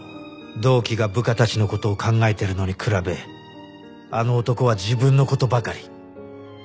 同期が部下たちの事を考えてるのに比べあの男は自分の事ばかり。